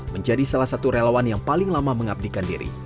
menjadi salah satu relawan yang paling lama mengabdikan diri